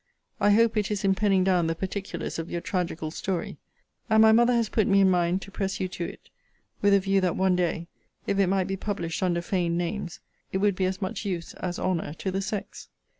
I hope it is in penning down the particulars of your tragical story. And my mother has put me in mind to press you to it, with a view that one day, if it might be published under feigned names, it would be as much use as honour to the sex.